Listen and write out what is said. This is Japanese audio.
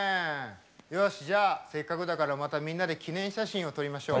よしじゃあせっかくだからまたみんなで記念写真を撮りましょう。